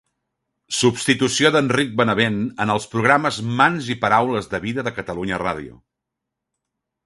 Substitució d'Enric Benavent en els programes Mans i Paraules de Vida de Catalunya Ràdio.